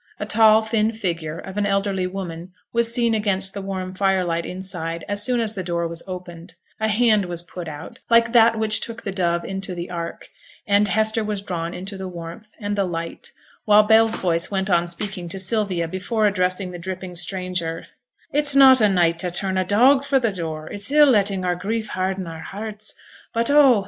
A tall, thin figure of an elderly woman was seen against the warm fire light inside as soon as the door was opened; a hand was put out, like that which took the dove into the ark, and Hester was drawn into the warmth and the light, while Bell's voice went on speaking to Sylvia before addressing the dripping stranger 'It's not a night to turn a dog fra' t' door; it's ill letting our grief harden our hearts. But oh!